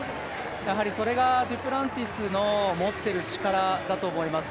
それがデュプランティスの持っている力だと思います。